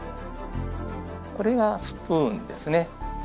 これがスプーンですね